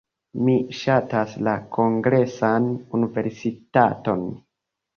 Mi ŝatas la Kongresan Universitaton.